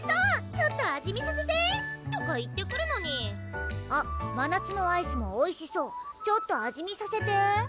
「ちょっと味見させて」とか言ってくるのに「あっまなつのアイスもおいしそうちょっと味見させて」